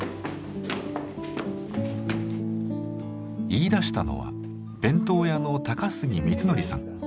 言いだしたのは弁当屋の高杉光徳さん。